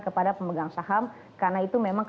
kepada pemegang saham karena itu memang